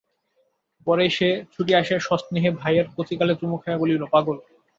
পরে সে ছুটিয়া আসিয়া সস্নেহে ভাই-এর কচি গালে চুমু খাইয়া বলিল, পাগল!